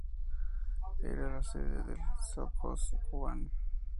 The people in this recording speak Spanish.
Era la sede del sovjós "Kubán".